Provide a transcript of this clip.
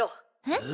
え？